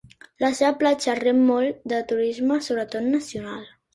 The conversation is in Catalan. La seva platja rep molt de turisme sobretot nacional.